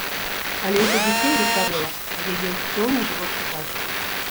Але ўжо зусім вечарэла, а яе ўсё не было чуваць.